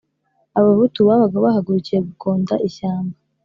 abahutu babaga bahagurukiye gukonda ishyamba